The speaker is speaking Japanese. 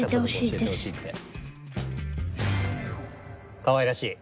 かわいらしい。